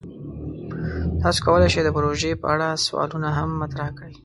تاسو کولی شئ د پروژې په اړه سوالونه هم مطرح کړئ.